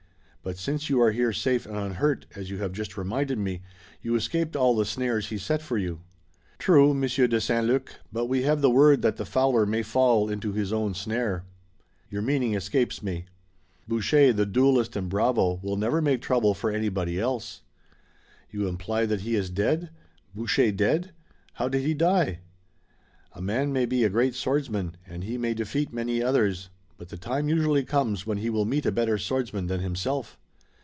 But since you are here safe and unhurt, as you have just reminded me, you escaped all the snares he set for you." "True, Monsieur de St. Luc, but we have the word that the fowler may fall into his own snare." "Your meaning escapes me." "Boucher, the duelist and bravo, will never make trouble for anybody else." "You imply that he is dead? Boucher dead! How did he die?" "A man may be a great swordsman, and he may defeat many others, but the time usually comes when he will meet a better swordsman than himself."